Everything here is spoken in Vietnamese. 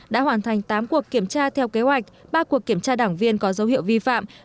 đã hoàn thành tám cuộc kiểm tra theo kế hoạch ba cuộc kiểm tra đảng viên có dấu hiệu vi phạm